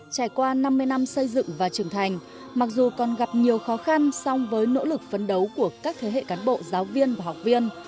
trải qua năm mươi năm xây dựng và trưởng thành mặc dù còn gặp nhiều khó khăn song với nỗ lực phấn đấu của các thế hệ cán bộ giáo viên và học viên